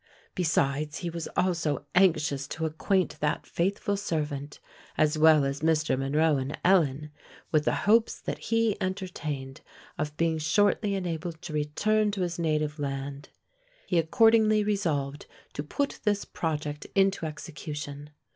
Besides, he was also anxious to acquaint that faithful servant, as well as Mr. Monroe and Ellen, with the hopes that he entertained of being shortly enabled to return to his native land. He accordingly resolved to put this project into execution.